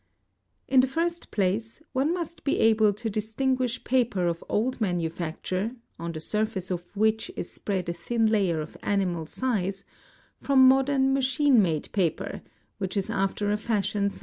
In the first place, one must be able to distinguish paper of old manu facture, on the surface of which is spread a thin layer of animal size, from modern machine made paper, which is after a fashion sized through out its whole substance.